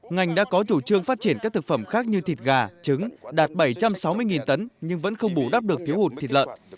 ngành đã có chủ trương phát triển các thực phẩm khác như thịt gà trứng đạt bảy trăm sáu mươi tấn nhưng vẫn không bù đắp được thiếu hụt thịt lợn